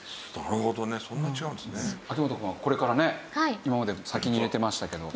秋元くんはこれからね今まで先に入れてましたけど。